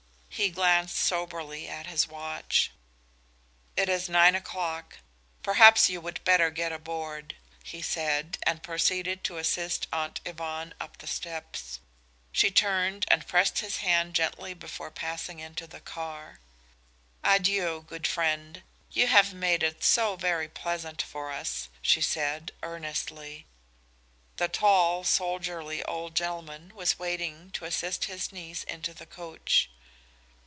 He glanced soberly at his watch. "It is nine o'clock. Perhaps you would better get aboard," he said, and proceeded to assist Aunt Yvonne up the steps. She turned and pressed his hand gently before passing into the car. "Adieu, good friend. You have made it so very pleasant for us," she said, earnestly. The tall, soldierly old gentleman was waiting to assist his niece into the coach.